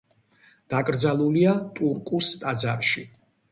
დაკრძალულია ტურკუს ტაძარში.